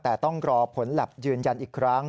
แต่ต้องรอผลแล็บยืนยันอีกครั้ง